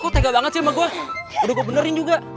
kok tega banget sih sama gua udah gua benerin juga